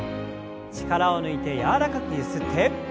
力を抜いて柔らかくゆすって。